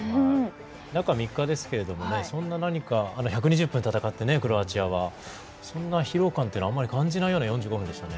中３日ですけどそんな１２０分戦ってクロアチアはそんな疲労感というのはあまり感じないような４５分でしたね。